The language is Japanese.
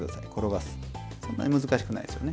そんなに難しくないですよね